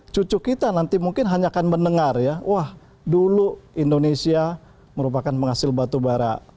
cucu kita nanti mungkin hanya akan mendengar ya wah dulu indonesia merupakan penghasil batubara